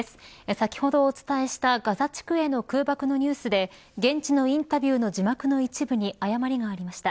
先ほどお伝えしたガザ地区への空爆のニュースで現地のインタビューの字幕の一部に誤りがありました。